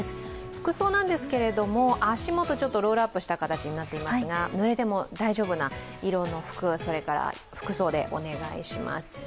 服装なんですけれども、足元ちょっとロールアップした形になっていますがぬれても大丈夫な色の服装でお願いします。